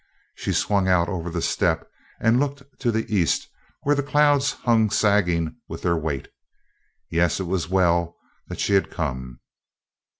She swung out over the step and looked to the east where the clouds hung sagging with their weight. Yes, it was well that she had come.